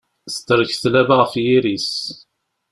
Tetrek tlaba ɣef yiri-s.